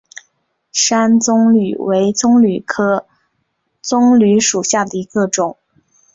山棕榈为棕榈科棕榈属下的一个种。